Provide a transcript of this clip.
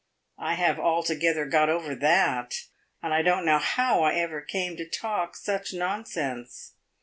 I have altogether got over that, and I don't know how I ever came to talk such nonsense.